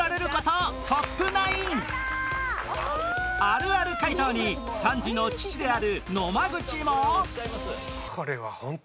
あるある回答に３児の父である野間口も